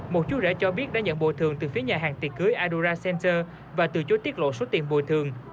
một chú rể cho biết đã nhận bồi thường từ phía nhà hàng tiệc cưới adura center và từ chối tiết lộ số tiền bồi thường